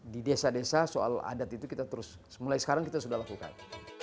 di desa desa soal adat itu kita terus mulai sekarang kita sudah lakukan